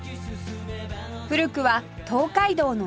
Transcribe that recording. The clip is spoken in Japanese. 古くは東海道の宿場町